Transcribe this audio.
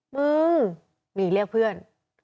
มึงมีอีกเรียกเพื่อน